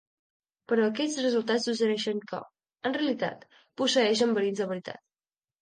Però aquests resultats suggereixen que, en realitat, posseeixen verins de veritat.